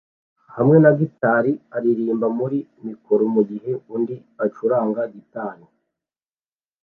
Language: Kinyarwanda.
hamwe na gitari aririmba muri mikoro mugihe undi acuranga gitari